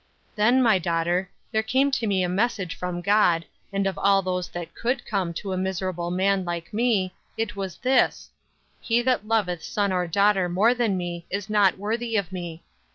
Then, my daughter, there came to me a message from God, and of all those that could come to a miserable man like me, it was this: 'He that loveth son or daughter more than me, is not worthy of me.'